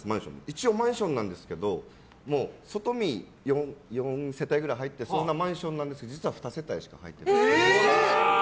一応マンションなんですけど外見、４世帯くらい入ってそうなマンションなんですけど実は２世帯しか入ってない。